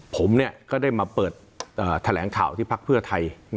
ผมก็ได้มาเปิดแถลงข่าวที่พักเพื่อไทย